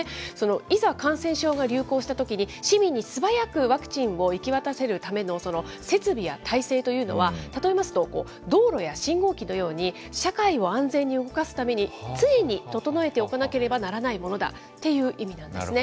いざ感染症が流行したときに、市民に素早くワクチンを行き渡らせるための設備や体制というのは、例えますと道路や信号機のように、社会を安全に動かすために、常に整えておかなければならないものだという意味なんですね。